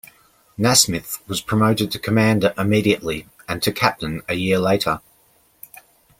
Nasmith was promoted to Commander immediately and to Captain a year later.